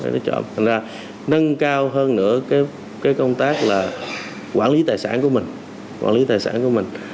nên là nâng cao hơn nữa công tác là quản lý tài sản của mình